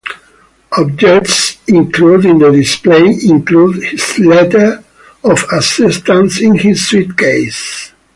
Objects included in the display include his letter of acceptance and his suitcase.